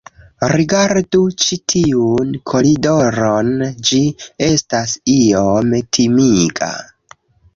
Rigardu ĉi tiun koridoron ĝi estas iom timiga